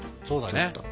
そうだね。